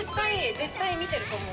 絶対見てると思う。